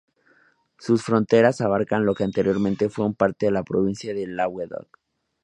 Sus fronteras abarcan lo que anteriormente fue una parte de la provincia de Languedoc.